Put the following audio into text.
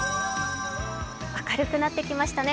明るくなってきましたね。